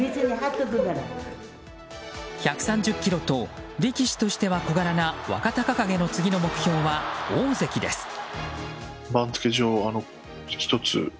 １３０ｋｇと力士としては小柄な若隆景の次の目標は大関です。